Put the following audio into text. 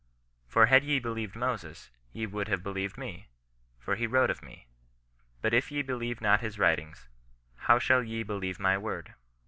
For had ye believed Moses, ye would have believed me : for he wrote of me. But if ye be lieve not his writings, how shall ye believe my word."